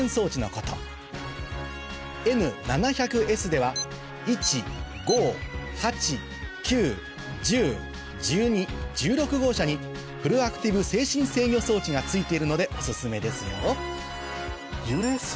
Ｎ７００Ｓでは１５８９１０１２１６号車にフルアクティブ制振制御装置がついているのでオススメですよ